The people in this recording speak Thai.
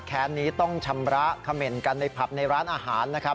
แค้นนี้ต้องชำระเขม่นกันในผับในร้านอาหารนะครับ